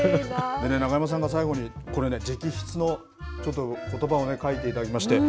永山さんが最後にこれね、直筆のちょっとことばをね、書いていただきまして。